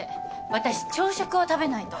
私朝食を食べないと。